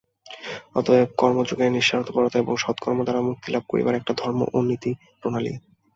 অতএব কর্মযোগ নিঃস্বার্থপরতা ও সৎকর্ম দ্বারা মুক্তি লাভ করিবার একটি ধর্ম ও নীতিপ্রণালী।